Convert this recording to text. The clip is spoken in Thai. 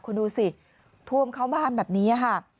คุณดูสิท่วมเข้าบ้านแบบนี้ค่ะ